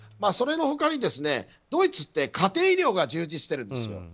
それの他にドイツって家庭医療が充実してるんですよ。